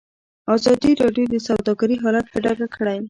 ازادي راډیو د سوداګري حالت په ډاګه کړی.